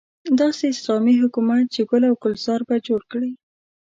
داسې اسلامي حکومت چې ګل او ګلزار به جوړ کړي.